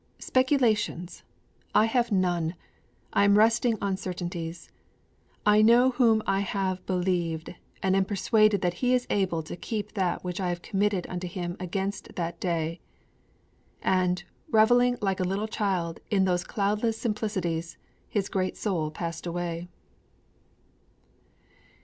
'Speculations! I have none! I am resting on certainties. _I know whom I have believed and am persuaded that He is able to keep that which I have committed unto Him against that day!_' And, reveling like a little child in those cloudless simplicities, his great soul passed away.